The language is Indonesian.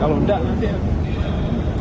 kalau tidak nanti ya